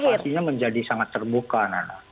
semua partisipasinya menjadi sangat terbuka nana